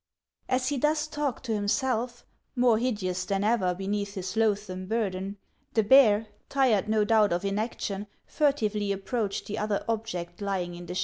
As he thus talked to himself, more hideous than ever beneath his loathsome burden, the bear, tired no doubt of inaction, furtively approached the other object lying in the